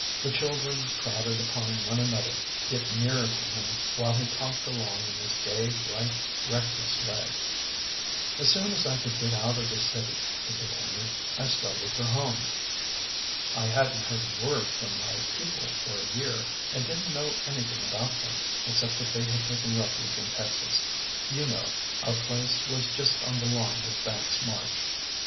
The children crowded upon one another to get nearer to him while he talked along in his gay, bright, reckless way. " As soon as I could get out of the city," he continued, " I started for home. I hadn t heard a word from my people for a year and didn t know anything about them except that they had taken refuge in Texas you know our place was just on the line of Banks s march."